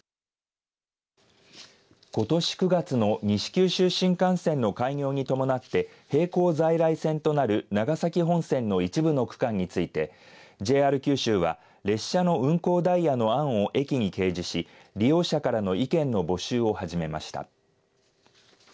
ことし９月の西九州新幹線の開業に伴って並行在来線となる長崎本線の一部の区間についてＪＲ九州は列車の運行ダイヤの案を駅に掲示し利用者からの意見の募集を始めました。